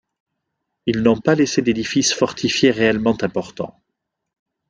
Ils n’ont pas laissé d’édifices fortifiés réellement importants.